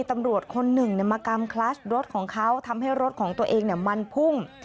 ตำรวจคนหนึ่งมากำคลัสรถของเขาทำให้รถของตัวเองมันพุ่ง